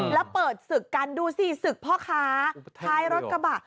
แล้วเปิดศึกกันดูสิศึกพ่อค้าท้ายรถกระบะ